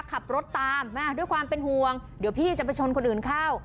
ขับรถตามด้วยความเป็นห่วงเดี๋ยวพี่จะไปชนคนอื่นเข้า